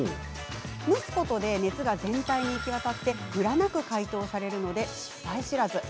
蒸すことで熱が全体に行き渡りムラなく解凍されるので失敗知らず。